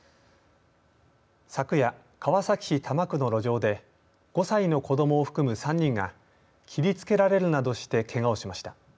昨夜、川崎市多摩区の路上で５歳の子どもを含む３人が切りつけられるなどしてけがをしました。